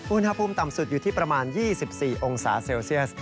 อุณหภูมิต่ำสุดอยู่ที่ประมาณ๒๔องศาเซลเซียส